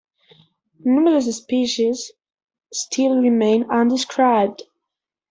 Numerous species still remain undescribed.